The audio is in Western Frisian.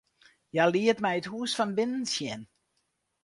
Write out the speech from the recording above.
Hja liet my it hûs fan binnen sjen.